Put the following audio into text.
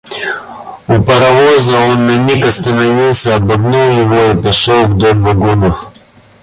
У паровоза он на миг остановился, обогнул его и пошел вдоль вагонов.